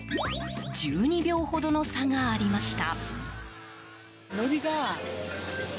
１２秒ほどの差がありました。